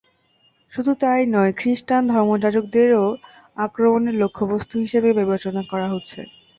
শুধু তা-ই নয়, খ্রিষ্টান ধর্মযাজকদেরও আক্রমণের লক্ষ্যবস্তু হিসেবে বিবেচনা করা হচ্ছে।